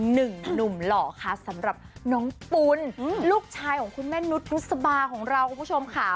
หนุ่มหล่อค่ะสำหรับน้องปุ่นลูกชายของคุณแม่นุษย์พุษบาของเราคุณผู้ชมค่ะ